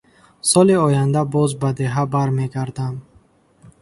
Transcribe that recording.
Соли оянда боз ба деҳа бармегардам.